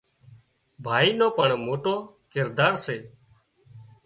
ڀائي نو پڻ موٽو ڪردار سي